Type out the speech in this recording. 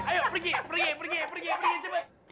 ayo berin pergi pergi pergi cepet